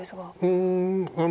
うん。